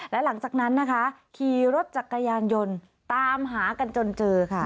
และหลังจากนั้นนะคะขี่รถจักรยานยนต์ตามหากันจนเจอค่ะ